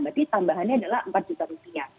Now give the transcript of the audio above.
berarti tambahannya adalah empat juta rupiah